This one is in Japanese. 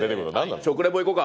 食レポ行こうか。